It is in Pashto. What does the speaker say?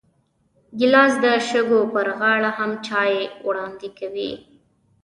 ګیلاس د شګو پر غاړه هم چای وړاندې کوي.